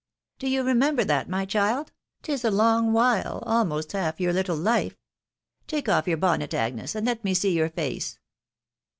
(< Do you remember that, my child ?.•.. 'tis a loag while, almost half your little life. Take off your bonnet, Agnes, and let me see your face."